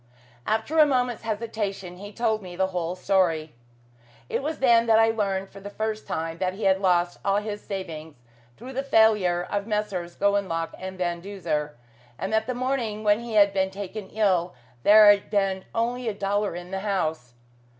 After a moment's hesitation he told me the whole story. It was then that I learned for the first time that he had lost all his savings through the failure of Messrs. Gowanlock and Van Duzer, and that the morning when he had been taken ill there had been only a dollar in the house.